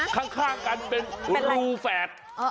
ข้างกันเป็นรูแฝด